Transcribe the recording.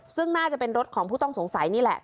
ซึ่งน่าจะเป็นรถของผู้ต้องสงสัยนี่แหละ